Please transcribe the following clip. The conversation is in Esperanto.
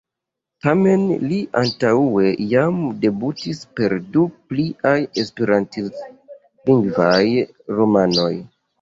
Tamen li antaŭe jam debutis per du pliaj esperantlingvaj romanoj.